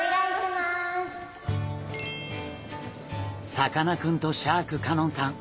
さかなクンとシャーク香音さん